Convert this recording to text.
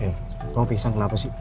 mir kamu pingsan kenapa sih